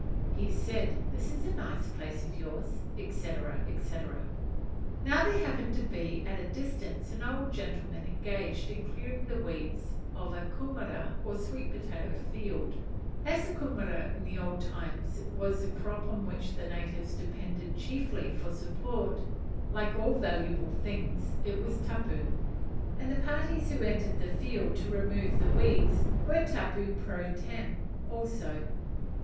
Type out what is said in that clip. "He has said, this is a nice place of yours!" &c. &c. Now there happened to be at a distance, an old gentleman engaged in clearing the weeds from a kumera or sweet potato field, and as the kumera in the old times was the crop on which the natives depended chiefly for support, like all valuable things it was tapu, and the parties who entered the field to remove the weeds were tapu pro tem. also.